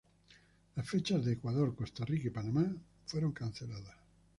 Las fechas de Ecuador, Costa Rica y Panamá fueron canceladas.